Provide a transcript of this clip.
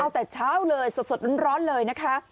เอาแต่เช้าเลยสดร้อนเลยนะคะ